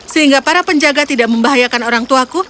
sehingga para penjaga tidak membahayakan orangtuaku